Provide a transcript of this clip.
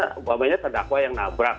karena terdakwa yang nabrak